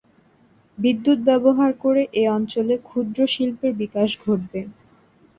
বিদ্যুৎ ব্যবহার করে এ অঞ্চলে ক্ষুদ্র শিল্পের বিকাশ ঘটবে।